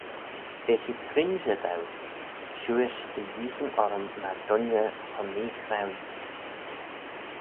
Veagh eh trimshey dou shiuish dy yeeaghyn orrym myr dooinney cho meechrauee.